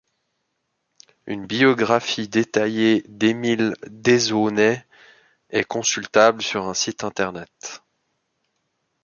Une biographie détaillée d'Émile Dezaunay est consultable sur un site Internet.